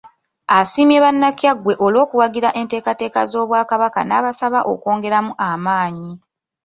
Asiimye Bannakyaggwe olw'okuwagira enteekateeka z'Obwakabaka n'abasaba okwongeramu amaanyi.